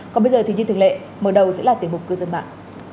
còn bây giờ thì như thường lệ mở đầu sẽ là tiểu mục cư dân mạng